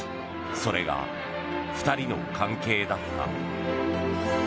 それが２人の関係だった。